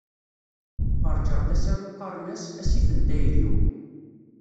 Ferrjeɣ-d asaru qqaren-as " Asif n tayri-w".